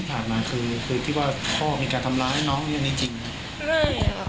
แล้วที่ผ่านมาคือคือที่ว่าพ่อมีการทำร้ายให้น้องเรียนจริงไหม